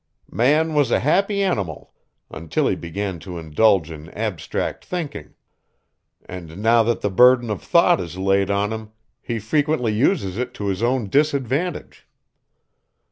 Man was a happy animal until he began to indulge in abstract thinking. And now that the burden of thought is laid on him, he frequently uses it to his own disadvantage."